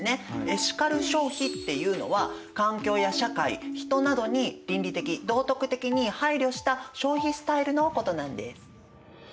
エシカル消費っていうのは環境や社会人などに倫理的・道徳的に配慮した消費スタイルのことなんです。